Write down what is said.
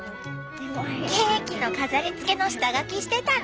ケーキの飾りつけの下書きしてたの？